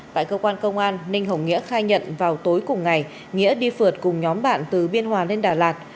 tại cơ quan công an ninh hồng nghĩa khai nhận vào tối cùng ngày nghĩa đi phượt cùng nhóm bạn từ biên hòa lên đà lạt